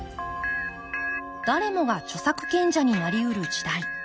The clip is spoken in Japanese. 誰もが著作権者になりうる時代。